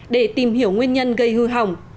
để tìm hiểu nguyên nhân gây hư hỏng